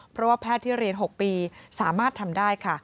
เพราะว่าแพทย์ที่เรียน๖ปีสามารถทำได้ค่ะ